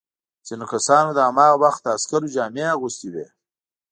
ځینو کسانو د هماغه وخت د عسکرو جامې اغوستي وې.